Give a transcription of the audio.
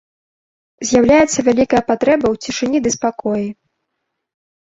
З'яўляецца вялікая патрэба ў цішыні ды спакоі.